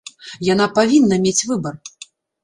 Яна павінна мець выбар.